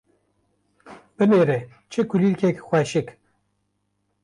Binêre çi kulîlkek xweşik.